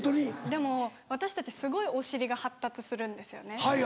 でも私たちすごいお尻が発達するんですよね。